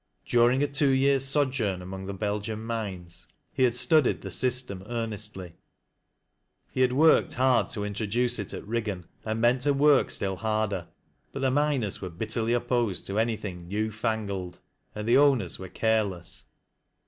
During a two years' sojourn among the Belgian mines, he had studied the system earnestly. He had worked had tc 64 TEAT LASS a LOWBISTS iniroduce it at Riggan, and meant to work still hardei Bnt the miners were bitterly opposed to anything " new fangled," and the owners were careless.